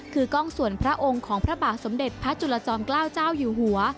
คือกล้องส่วนพระองค์ของพระบาทสมเด็จพระจุลจอมเกล้าเจ้าอยู่หัว